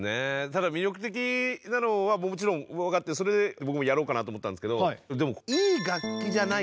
ただ魅力的なのはもちろん分かってそれで僕もやろうかなと思ったんですけど。